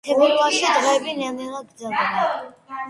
თებერვალში დღეები ნელ-ნელა გრძელდება.